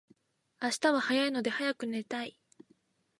明日は早いので早く寝たい